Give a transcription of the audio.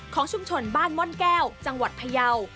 ของชุมชนบ้านม่อนแก้วจังหวัดพยาว